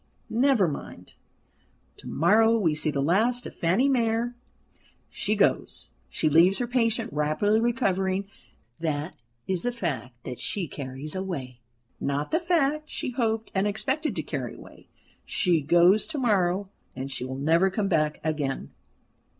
Never mind. To morrow we see the last of Fanny Mere. She goes; she leaves her patient rapidly recovering. That is the fact that she carries away not the fact she hoped and expected to carry away. She goes to morrow and she will never come back again."